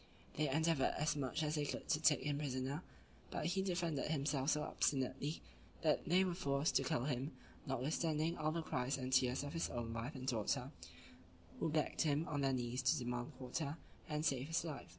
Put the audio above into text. They endeavored as much as they could to take him prisoner, but he defended himself so obstinately, that they were forced to kill him, notwithstanding all the cries and tears of his own wife and daughter, who begged him, on their knees, to demand quarter, and save his life.